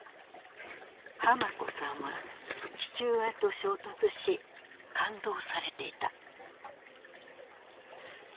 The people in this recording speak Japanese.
ハマコさんは父親と衝突し勘当されていた。